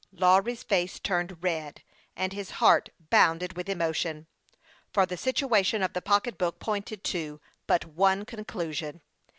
Lawry's face turned red, and his heart bounded with emotion, for the situation of the pocketbook pointed to but one conclusion.